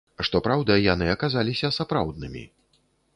Што праўда, яны аказаліся сапраўднымі.